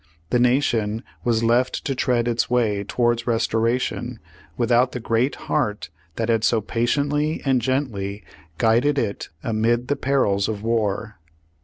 The Nation was left to tread its way towards restoration, without the Great Heart that had so patiently and gently guided it amid the perils of war.